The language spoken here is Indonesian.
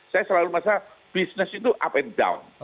saya selalu merasa bisnis itu up and down